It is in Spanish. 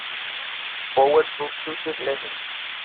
Power Pro Success Legends